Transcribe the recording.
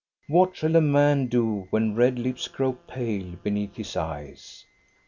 What shall a man do when red lips grow pale beneath his eyes?